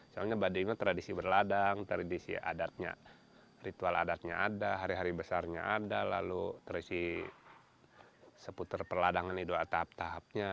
soalnya badainya tradisi berladang tradisi adatnya ritual adatnya ada hari hari besarnya ada lalu tradisi seputar perladangan itu ada tahap tahapnya